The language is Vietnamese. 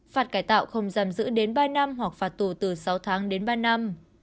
phạt cải tạo không giam giữ đến ba năm hoặc phạt tù từ sáu tháng đến ba năm